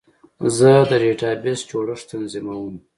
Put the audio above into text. زه د ډیټابیس جوړښت تنظیموم.